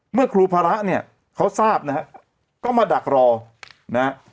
เมื่อครูพระเนี่ยเขาทราบนะฮะก็มาดักรอนะฮะ